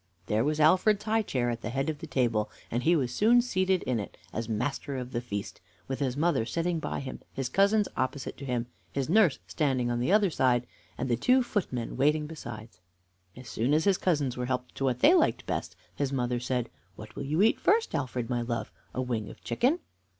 There was Alfred's high chair at the head of the table, and he was soon seated in it, as master of the feast, with his mother sitting by him, his cousins opposite to him, his nurse standing on the other side, and the two footmen waiting besides. As soon as his cousins were helped to what they liked best, his mother said: "What will you eat first, Alfred, my love? A wing of a chicken?"